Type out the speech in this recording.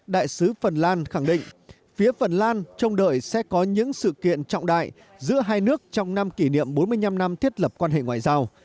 đại sứ phần lan khẳng định phía phần lan trông đợi sẽ có những sự kiện trọng đại giữa hai nước trong năm kỷ niệm bốn mươi năm năm thiết lập quan hệ ngoại giao